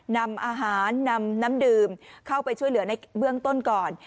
นำอาหารนำน้ำดื่มเข้าไปช่วยเหลือในเบื้องต้นก่อน